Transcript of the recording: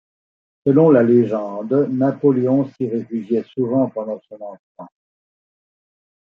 Selon la légende, Napoléon s'y réfugiait souvent pendant son enfance.